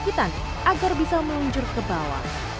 jalur ketinggian atau perbukitan agar bisa meluncur ke bawah